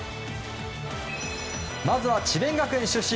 まずは智弁学園出身